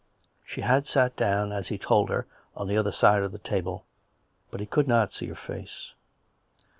She had sat down as he told her, on the other side of the table; but he could not see her face.